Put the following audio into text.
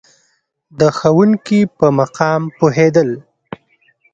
د ښوونکي په مقام پوهېدل.